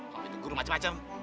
kalau itu guru macem macem